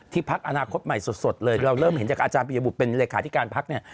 พักอนาคตใหม่สดเลยเราเริ่มเห็นจากอาจารย์ปียบุตรเป็นเลขาธิการพักเนี่ย